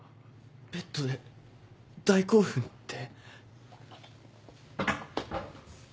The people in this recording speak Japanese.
ベッドで大興奮って。